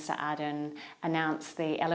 trong những năm qua